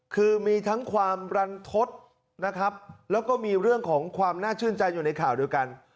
คือมีทั้งความรันทศนะครับแล้วก็มีเรื่องของความน่าชื่นใจอยู่ในข่าวเดียวกัน